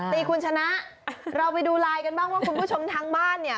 ตีคุณชนะเราไปดูไลน์กันบ้างว่าคุณผู้ชมทางบ้านเนี่ย